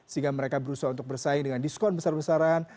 sehingga mereka berusaha untuk bersaing dengan diskon besar besaran